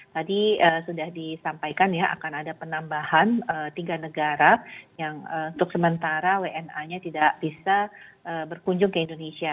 tadi sudah disampaikan ya akan ada penambahan tiga negara yang untuk sementara wna nya tidak bisa berkunjung ke indonesia